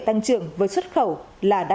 tăng trưởng với xuất khẩu là